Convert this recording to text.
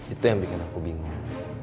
itu yang bikin aku bingung